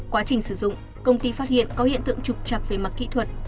quá trình sử dụng công ty phát hiện có hiện tượng trục chặt về mặt kỹ thuật